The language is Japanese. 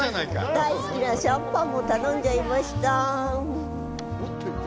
大好きなシャンパンも頼んじゃいました。